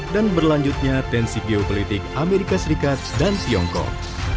berlanjutnya tensi geopolitik amerika serikat dan tiongkok